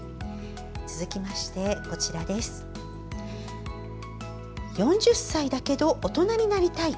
続きまして「４０歳だけど大人になりたい」